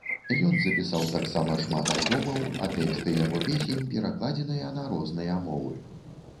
Ён запісаў таксама шмат альбомаў, а тэксты яго песень перакладзеныя на розныя мовы.